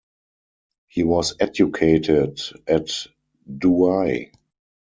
He was educated at Douai.